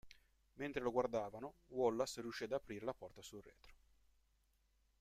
Mentre lo guardavano, Wallace riuscì ad aprire la porta sul retro.